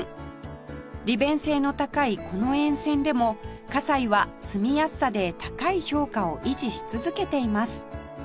利便性の高いこの沿線でも西は住みやすさで高い評価を維持し続けています